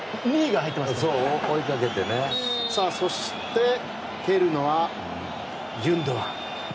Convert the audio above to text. そして、蹴るのはギュンドアン。